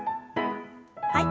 はい。